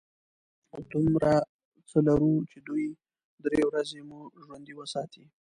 دومره څه لرو چې دوې – درې ورځې مو ژوندي وساتي.